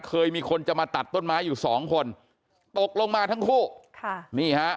เคยมีคนจะมาตัดต้นไม้อยู่๒คนตกลงมาทั้งคู่